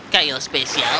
kail yang spesial